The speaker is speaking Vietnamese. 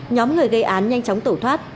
nhóm người gây án nhanh chóng tẩu thoát